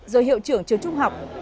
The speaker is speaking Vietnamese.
rồi hiệu trưởng trường trung học